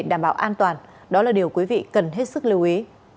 an toàn đó là điều quý vị cần hết sức lưu ý